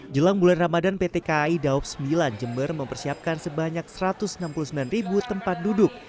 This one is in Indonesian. jelang bulan ramadan pt kai daob sembilan jember mempersiapkan sebanyak satu ratus enam puluh sembilan ribu tempat duduk